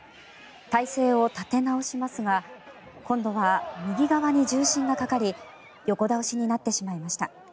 体勢を立て直しますが今度は右側に重心がかかり横倒しになってしまいました。